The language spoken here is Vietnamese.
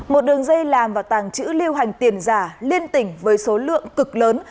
một đường dây làm và tàng chữ liêu hành tiền giả liên tỉnh với số lượng cực lớn